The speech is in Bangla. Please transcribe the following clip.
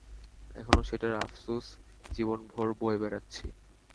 এখনও সেটার আফসোস জীবনভর বয়ে বেড়াচ্ছি!